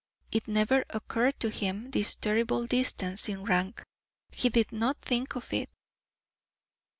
It never occurred to him, this terrible distance in rank; he did not think of it.